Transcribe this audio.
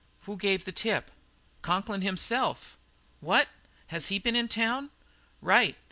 Who gave the tip?" "Conklin himself." "What? Has he been in town?" "Right.